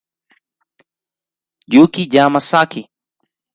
Yuki Yamazaki